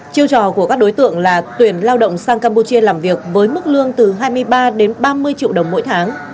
chiêu trò của các đối tượng là tuyển lao động sang campuchia làm việc với mức lương từ hai mươi ba đến ba mươi triệu đồng mỗi tháng